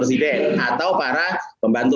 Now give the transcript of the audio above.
presiden atau para pembantu